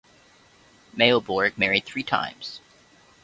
Maubourg married three times.